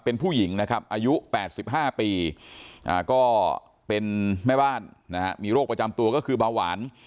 เป็นผู้หญิงนะครับอายุ๘๕ปีก็เป็นแม่บ้านมีโรคประจำตัวก็คือเบาหวาน